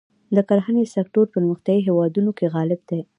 د کرهڼې سکتور پرمختیايي هېوادونو کې غالب دی.